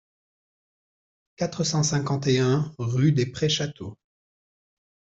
quatre cent cinquante et un rue des Prés Château